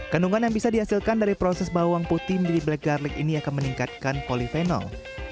kandungan yang bisa dihasilkan dari proses bawang putih menjadi black garlic ini akan meningkatkan polifenol